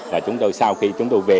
và chúng tôi sau khi chúng tôi về